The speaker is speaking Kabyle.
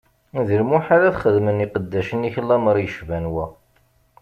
D lmuḥal ad xedmen iqeddacen-ik lameṛ yecban wa!